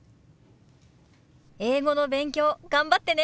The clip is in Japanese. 英語の勉強頑張ってね。